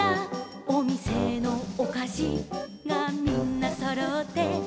「おみせのおかしがみんなそろって」